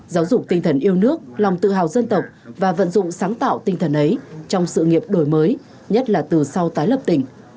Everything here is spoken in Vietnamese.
giáo dục tinh thần yêu nước lòng tự hào dân tộc và vận dụng sáng tạo tinh thần ấy trong sự nghiệp đổi mới nhất là từ sau tái lập tỉnh